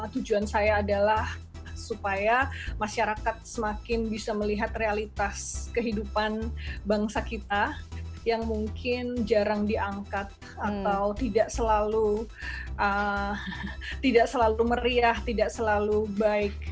tujuan saya adalah supaya masyarakat semakin bisa melihat realitas kehidupan bangsa kita yang mungkin jarang diangkat atau tidak selalu meriah tidak selalu baik